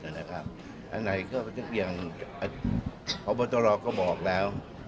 อันนั้นก็อย่างขอบตรอกก็บอกแล้ว